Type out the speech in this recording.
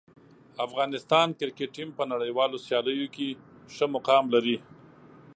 افغانستان کرکټ ټیم په نړیوالو سیالیو کې ښه مقام لري.